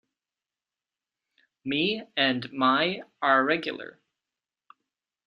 "Me-" and "my-" are regular.